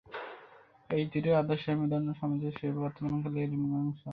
এই দুইটি আদর্শের মিলন ও সামঞ্জস্যই হইবে বর্তমানকালের মীমাংসা।